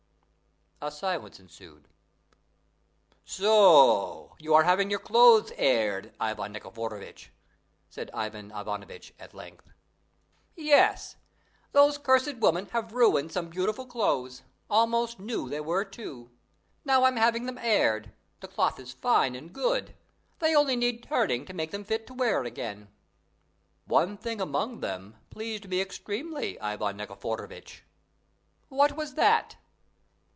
A silence ensued. "So you are having your clothes aired, Ivan Nikiforovitch?" said Ivan Ivanovitch at length. "Yes; those cursed women have ruined some beautiful clothes; almost new they were too. Now I'm having them aired; the cloth is fine and good. They only need turning to make them fit to wear again." "One thing among them pleased me extremely, Ivan Nikiforovitch." "What was that?"